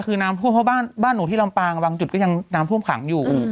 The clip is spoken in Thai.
คืน้ำพ่วมหรือเปล่าบ้านหนูที่ลำปลางก็ยังปกติจากดน้ำพ่วงขังอยู่